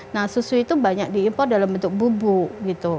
nah susu itu banyak diimpor dalam bentuk bubuk gitu